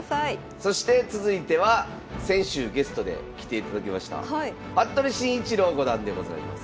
そして続いては先週ゲストで来ていただきました服部慎一郎五段でございます。